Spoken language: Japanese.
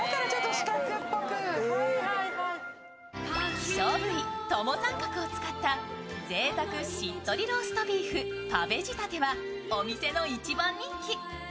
希少部位、トモサンカクを使った贅沢しっとりローストビーフパヴェ仕立てはお店の一番人気。